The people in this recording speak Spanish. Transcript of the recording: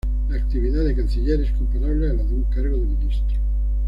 La actividad de canciller es comparable a la de un cargo de ministro.